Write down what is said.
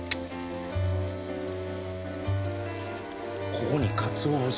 ここにかつお節？